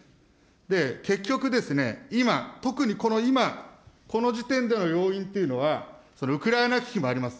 で、結局ですね、今、特にこの今、この時点での要因っていうのは、ウクライナ危機もあります。